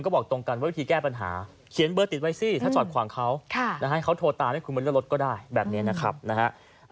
ก็บอกตรงกันว่าวิธีแก้ปัญหาเขียนเบอร์ติดไว้สิถ้าสอดขวางเขาค่ะนะฮะเขาโทรตามจีนกายลดก็ได้แบบเนี้ยนะครับนะฮะ